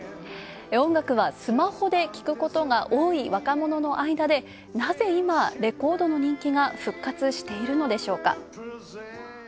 音楽はスマホで聴くことが多い若者の間でなぜ、今、レコードの人気が復活しているのでしょうか。